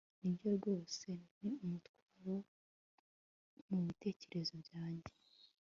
Nibyo rwose ni umutwaro mubitekerezo byanjye